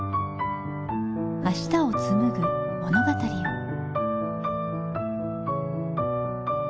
明日をつむぐ物語を。